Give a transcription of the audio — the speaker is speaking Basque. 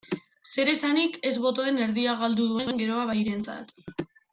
Zeresanik ez botoen erdia galdu duen Geroa Bairentzat.